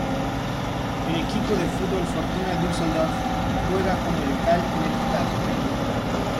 El equipo de fútbol Fortuna Düsseldorf juega como local en el estadio.